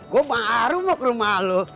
gue baru mau ke rumah lo